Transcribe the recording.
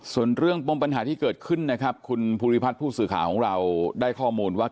ส่วนเรื่องปมปัญหาที่เกิดขึ้นนะครับคุณภูริพัฒน์ผู้สื่อข่าวของเราได้ข้อมูลว่า